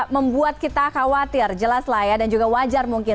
membuat kita khawatir jelas lah ya dan juga wajar mungkin